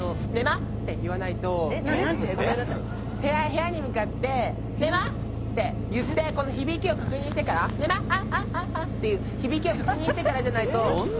部屋に向かって「ねまっ！」って言ってこの響きを確認してから「ねまっああああ」っていう響きを確認してからじゃないと。